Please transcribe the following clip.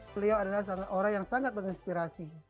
beliau adalah orang yang sangat menginspirasi